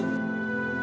cukup hadul dulu